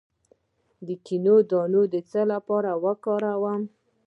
د کیوي دانه د څه لپاره وکاروم؟